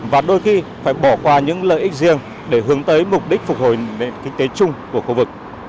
và đôi khi phải bỏ qua những lợi ích riêng để hướng tới mục đích phục hồi nền kinh tế chung của khu vực